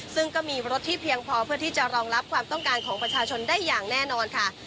ซึ่งก็มีรถที่เพียงพอเพื่อที่จะรองรับความต้องการของประชาชนได้อย่างแน่นอนค่ะ